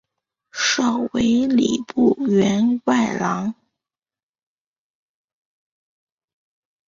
召为礼部员外郎。